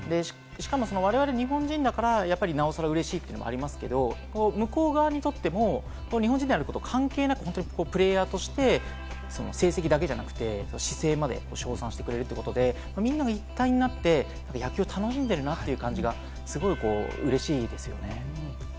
しかも我々、日本人だから、なおさら嬉しいというのはありますけど、向こう側にとっても日本人であることを関係なくプレーヤーとして、成績だけじゃなくて姿勢まで称賛してくれるということで、みんなが一体になってチチンペイペイソフトバンク！待ってました！